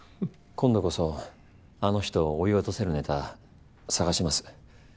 今度こそあの人を追い落とせるネタ探します。